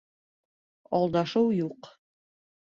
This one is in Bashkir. - Алдашыу юҡ.